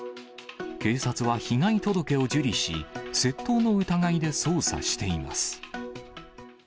警察は被害届を受理し、窃盗の疑いで捜査しています。